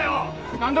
何だ？